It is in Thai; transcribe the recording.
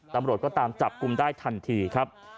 ตำรวจก็ตามจับกลุ่มได้ทันทีครับ